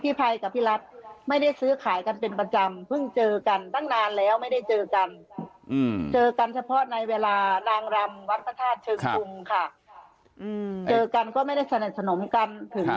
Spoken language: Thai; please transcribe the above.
ภัยกับพี่รัฐไม่ได้ซื้อขายกันเป็นประจำเพิ่งเจอกันตั้งนานแล้วไม่ได้เจอกันเจอกันเฉพาะในเวลานางรำวัดพระธาตุเชิงกุมค่ะเจอกันก็ไม่ได้สนิทสนมกันถึง